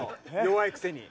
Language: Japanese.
弱いくせに。